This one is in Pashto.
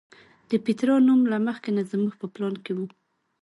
د پیترا نوم له مخکې نه زموږ په پلان کې و.